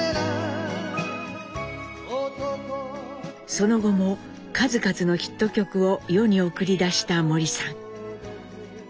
その後も数々のヒット曲を世に送り出した森さん。